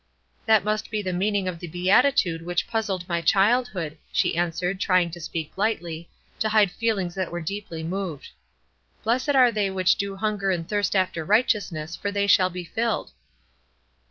"That must be the meaning of the beatitude which puzzled my childhood," she answered trying to speak lightly, to hide feelings that were deeply moved: "Blessed are they which do hunger and thirst after righteousness, for they shall be filled."